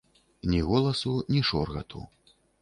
Ні голасу, ні шоргату.